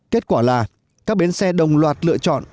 kết quả là các bến xe đồng loạt lựa chọn